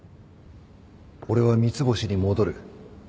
俺は三ツ星に戻る。